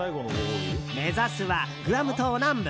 目指すはグアム島南部。